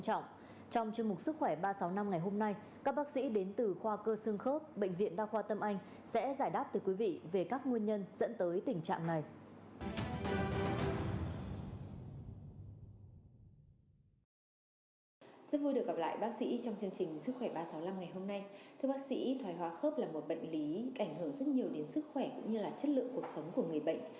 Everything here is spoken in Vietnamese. chương trình sức khỏe ba trăm sáu mươi năm ngày hôm nay thưa bác sĩ thói hóa khớp là một bệnh lý ảnh hưởng rất nhiều đến sức khỏe cũng như là chất lượng cuộc sống của người bệnh